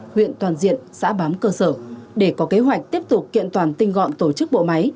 huyện toàn diện xã bám cơ sở để có kế hoạch tiếp tục kiện toàn tinh gọn tổ chức bộ máy